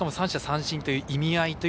３者三振という意味合い